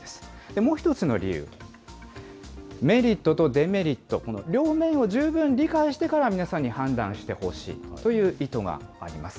もう１つの理由、メリットとデメリット、両面を十分理解してから皆さんに判断してほしいという意図があります。